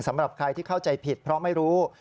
สำหรับใครที่เข้าใจผิดเพราะไม่รู้